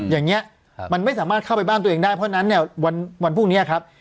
อย่างนี้มันไม่สามารถเข้าไปบ้านตัวเองได้เพราะฉะนั้นเนี่ยวันพรุ่งนี้ครับ